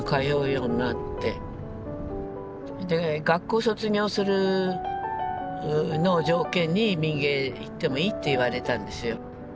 学校卒業するのを条件に「民藝」行ってもいいって言われたんですよ。